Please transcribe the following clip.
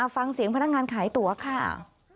ฟังเสียงพนักงานขายตั๋วค่ะ